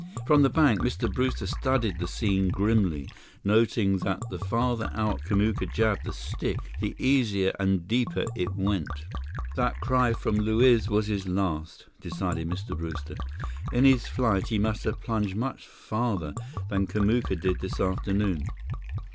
From the bank, Mr. Brewster studied the scene grimly, noting that the farther out Kamuka jabbed the stick, the easier and deeper it went. "That cry from Luiz was his last," decided Mr. Brewster. "In his flight, he must have plunged much farther than Kamuka did this afternoon.